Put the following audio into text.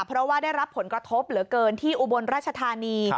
เพราะว่าได้รับผลกระทบเหลือเกินที่อุบลราชธานี